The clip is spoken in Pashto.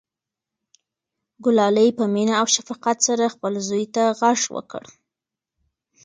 ګلالۍ په مینه او شفقت سره خپل زوی ته غږ وکړ.